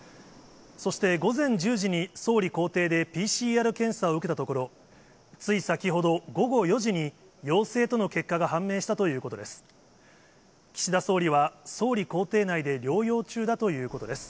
そして、午前１０時に総理公邸でＰＣＲ検査を受けたところ、つい先ほど、午後４時に陽性との結果が判明したということです。